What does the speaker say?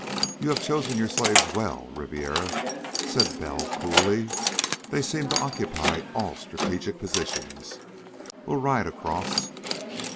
"You have chosen your slaves well, Ribiera," said Bell coolly. "They seem to occupy all strategic positions. We'll ride across."